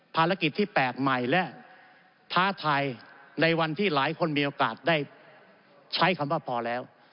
ภารกิจที่แปลกใหม่และท้าทายในวันที่หลายคนมีโอกาสได้ใช้คำว่าพอแล้ว